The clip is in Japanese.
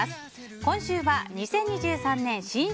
今週は２０２３年新春